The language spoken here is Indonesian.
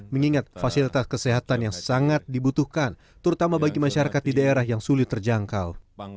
mengingat fasilitas kesehatan yang sangat dibutuhkan terutama bagi masyarakat di daerah yang sulit terjangkau